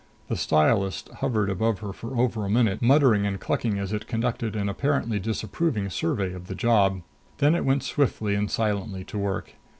The stylist hovered above her for over a minute, muttering and clucking as it conducted an apparently disapproving survey of the job. Then it went swiftly and silently to work.